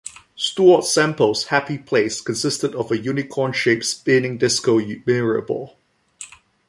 Stuart Semple's Happy Place consisted of a Unicorn shaped spinning disco mirror ball.